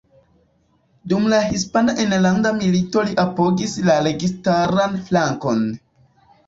Dum la Hispana Enlanda Milito li apogis la registaran flankon.